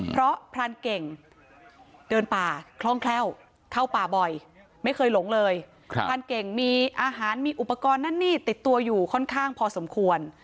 เพราะพรานเก่งเดินป่าคล่องแคล่วเข้าป่าบ่อยไม่เคยหลงเลยพรานเก่งมีอาหารมีอุปกรณ์นั่นนี่ติดตัวอยู่ค่อนข้างพอสมควร